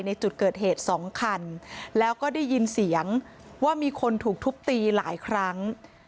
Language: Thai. ในจุดเกิดเหตุสองคันแล้วก็ได้ยินเสียงว่ามีคนถูกทุบตีหลายครั้ง